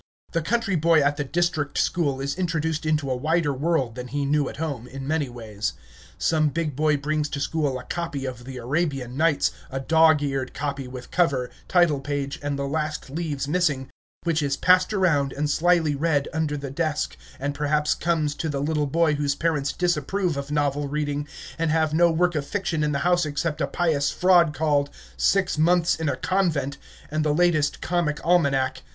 The country boy at the district school is introduced into a wider world than he knew at home, in many ways. Some big boy brings to school a copy of the Arabian Nights, a dog eared copy, with cover, title page, and the last leaves missing, which is passed around, and slyly read under the desk, and perhaps comes to the little boy whose parents disapprove of novel reading, and have no work of fiction in the house except a pious fraud called "Six Months in a Convent," and the latest comic almanac.